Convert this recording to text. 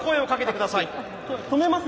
「止めます」